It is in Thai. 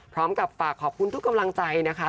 พร้อมกับฝากขอบคุณทุกกำลังใจนะคะ